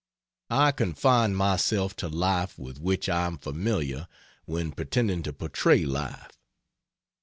I confine myself to life with which I am familiar when pretending to portray life.